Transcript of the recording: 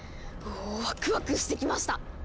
うぉワクワクしてきました！